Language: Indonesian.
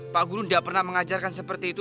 pak guru tidak pernah mengajarkan seperti itu